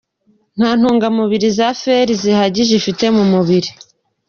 Nta ntungamubiri za Fer zihagije ufite mu mubiri.